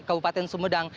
di kabupaten sumedang